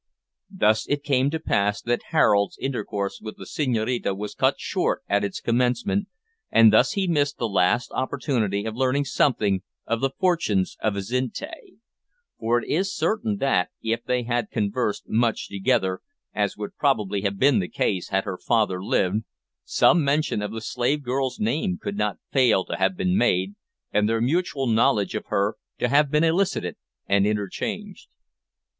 Thus it came to pass that Harold's intercourse with the Senhorina was cut short at its commencement, and thus he missed the opportunity of learning something of the fortunes of Azinte; for it is certain that, if they had conversed much together, as would probably have been the case had her father lived, some mention of the slave girl's name could not fail to have been made, and their mutual knowledge of her to have been elicited and interchanged.